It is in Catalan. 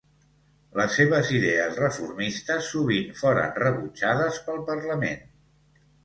Les seves idees reformistes sovint foren rebutjades pel Parlament.